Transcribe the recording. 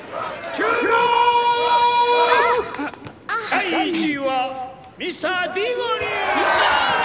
第１位はミスターディゴリーやった！